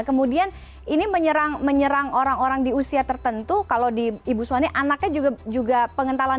kemudian ini menyerang orang orang di usia tertentu kalau di ibu swani anaknya juga bisa mengalami pengenalan